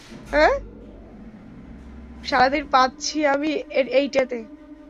সারাদিন, পাদছি আমি এইটাতে।